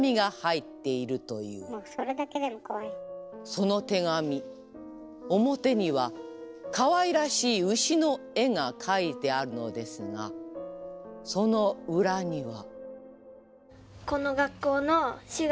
その手紙表にはかわいらしい牛の絵が描いてあるのですがその裏には。